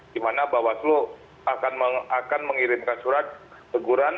di mana bawaslo akan mengirimkan surat keguran